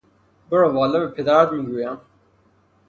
برو والا به پدرت میگویم!